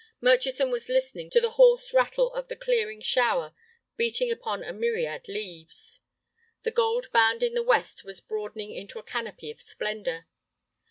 Murchison was listening to the hoarse rattle of the clearing shower beating upon a myriad leaves. The gold band in the west was broadening into a canopy of splendor.